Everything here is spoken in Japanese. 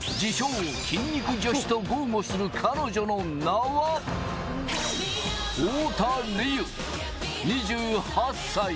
自称・筋肉女子と豪語する彼女の名は、太田りゆ、２８歳。